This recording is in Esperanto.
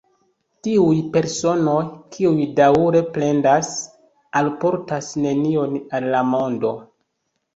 Tiuj personoj, kiuj daŭre plendas, alportas nenion al la mondo.